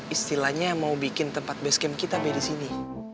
istilahnya mau bikin tempat base camp kita di sini